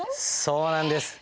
そうなんです。